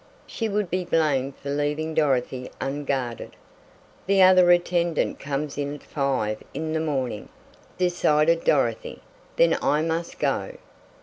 She would be blamed for leaving Dorothy unguarded! "The other attendant comes in at five in the morning," decided Dorothy, "then I must go!"